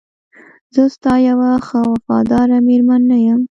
زه ستا یوه ښه او وفاداره میرمن نه یم؟